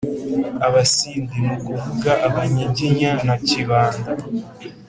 abasindi (ni ukuvuga abanyiginya) na kibanda